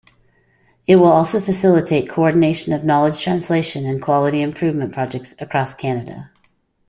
It will also facilitate coordination of knowledge translation and quality improvement projects across Canada.